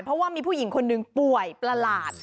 เพราะว่ามีผู้หญิงคนหนึ่งป่วยประหลาด